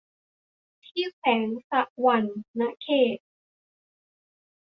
ที่แขวงสะหวันนะเขต